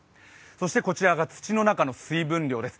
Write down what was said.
そしてこちらが土の中の水分量です。